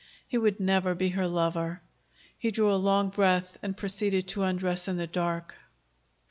He would never be her lover. He drew a long breath and proceeded to undress in the dark.